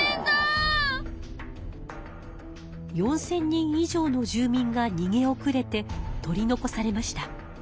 ４，０００人以上の住民がにげおくれて取り残されました。